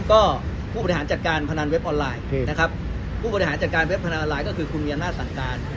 ก็ผู้บริหารจัดการพนันเว็บออนไลน์นะครับผู้บริหารจัดการเว็บพนันออนไลน์ก็คือคุณมีอำนาจสั่งการ